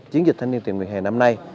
chiến dịch thanh niên tiền miền hè năm nay